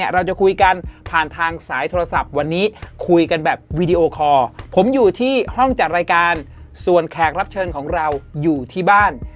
เราจะคุยกันผ่านทางสายโทรศัพท์วันนี้คุยกันแบบวีดีโอคอร์ผมอยู่ที่ห้องจัดรายการส่วนแขกรับเชิญของเราอยู่ที่บ้าน